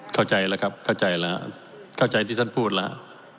เข้าใจแล้วครับเข้าใจแล้วเข้าใจที่ท่านพูดแล้ว